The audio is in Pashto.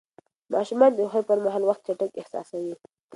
ماشومان د خوښۍ پر مهال وخت چټک احساسوي.